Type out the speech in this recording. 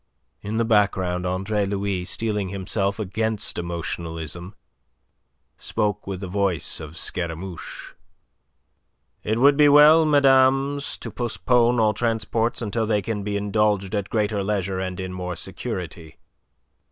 In the background Andre Louis, steeling himself against emotionalism, spoke with the voice of Scaramouche. "It would be well, mesdames, to postpone all transports until they can be indulged at greater leisure and in more security.